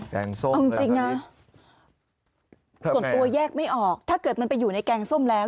งส้มเอาจริงนะส่วนตัวแยกไม่ออกถ้าเกิดมันไปอยู่ในแกงส้มแล้ว